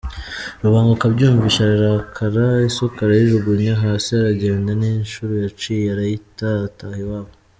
Rubanguka abyumvise ararakara, isuka ayijugunya hasi aragenda n’inshuro yaciye arayita; ataha iwabo.